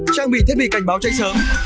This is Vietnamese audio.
trang bị thiết bị cảnh báo cháy sớm